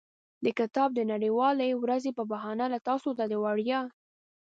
د کتاب د نړیوالې ورځې په بهانه له تاسو ته د وړیا.